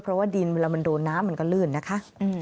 เพราะว่าดินเวลามันโดนน้ำมันก็ลื่นนะคะ